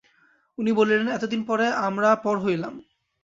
উনি বলিলেন, এতদিন পরে আমরা পর হইলাম!